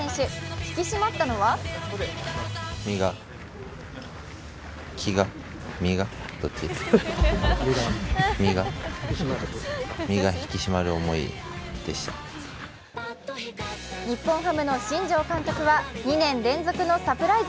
引き締まったのは日本ハムの新庄監督は、２年連続のサプライズ。